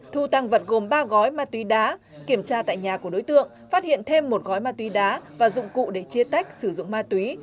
thu tăng vật gồm ba gói ma túy đá kiểm tra tại nhà của đối tượng phát hiện thêm một gói ma túy đá và dụng cụ để chia tách sử dụng ma túy